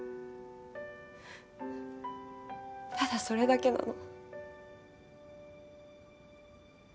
ただそれだけなの。